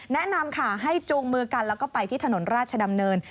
แนะนำค่ะให้จูงมือกันแล้วก็ไปที่ถนนราชดำเนิน